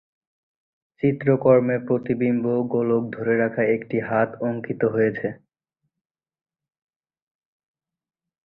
চিত্রকর্মে প্রতিবিম্বিত গোলক ধরে রাখা একটি হাত অঙ্কিত হয়েছে।